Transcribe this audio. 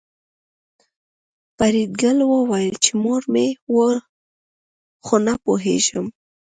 فریدګل وویل چې مور مې وه خو نه پوهېږم